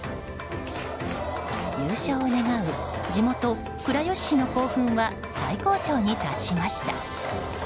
優勝を願う地元・倉吉市の興奮は最高潮に達しました。